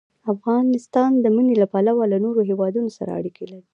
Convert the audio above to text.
افغانستان د منی له پلوه له نورو هېوادونو سره اړیکې لري.